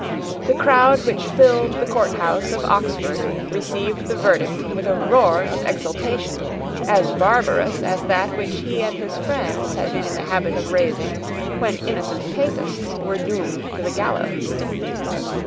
The crowd which filled the court house of Oxford received the verdict with a roar of exultation, as barbarous as that which he and his friends had been in the habit of raising when innocent Papists were doomed to the gallows.